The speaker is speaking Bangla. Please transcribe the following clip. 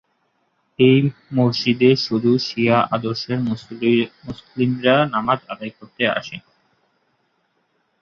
এই মসজিদে শুধুমাত্র শিয়া আদর্শের মুসলিমরা নামায আদায় করতে আসেন।